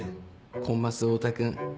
コンマス太田君。